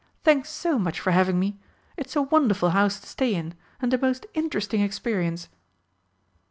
"Thanks so much for having me! It's a wonderful house to stay in and a most interesting experience."